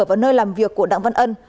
và nơi làm việc của đặng văn ân